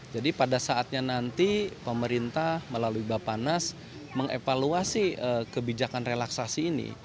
jadi pada saatnya nanti pemerintah melalui bapak nas mengevaluasi kebijakan relaksasi ini